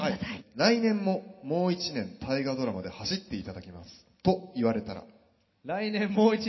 「来年もう一年『大河ドラマ』で走っていただきますと言われたら」。